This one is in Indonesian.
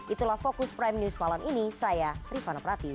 itulah fokus prime news malam ini saya rifana pratiwi